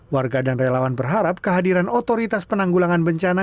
warga dan relawan berharap kehadiran otoritas penanggulangan bencana